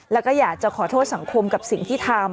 แล้วก็อยากจะขอโทษสังคมกับสิ่งที่ทำ